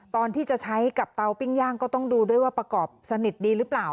ตอนที่จะใช้กับเตาปิ้งย่างก็ต้องดูด้วยว่าประกอบสนิทดีหรือเปล่า